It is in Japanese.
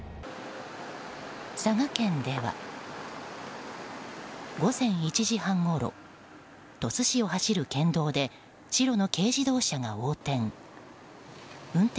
佐賀県では午前１時半ごろ鳥栖市を走る県道で白の軽自動車が横転。